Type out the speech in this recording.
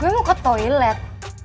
gua mau ke toilet